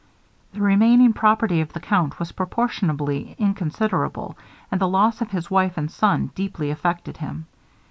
The remaining property of the count was proportionably inconsiderable, and the loss of his wife and son deeply affected him.